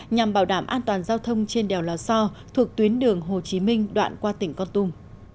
nhằm bảo đảm an toàn giao thông trên đèo lò so thuộc tuyến đường hồ chí minh đoạn qua tỉnh con tum